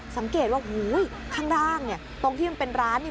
สังเกตว่าข้างล่างตรงที่มันเป็นร้าน